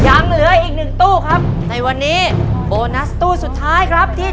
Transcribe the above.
ยังเหลืออีกหนึ่งตู้ครับในวันนี้โบนัสตู้สุดท้ายครับที่